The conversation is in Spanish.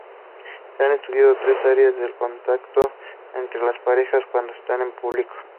Se han estudiado tres áreas del contacto entre las parejas cuando están en público.